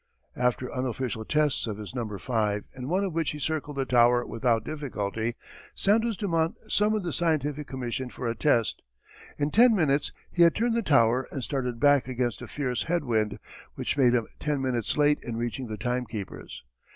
After unofficial tests of his "No. 5" in one of which he circled the Tower without difficulty, Santos Dumont summoned the Scientific Commission for a test. In ten minutes he had turned the Tower, and started back against a fierce head wind, which made him ten minutes late in reaching the time keepers.